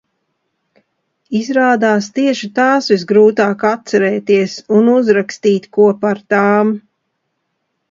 Izrādās tieši tās visgrūtāk atcerēties un uzrakstīt ko par tām.